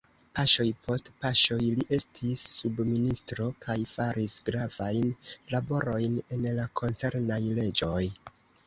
Paŝoj post paŝoj li estis subministro kaj faris gravajn laborojn en la koncernaj leĝoj.